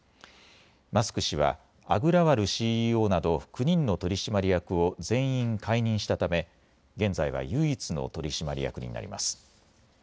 マスク氏はアグラワルＣＥＯなど９人の取締役を全員解任したため現在は唯一の取締役になります。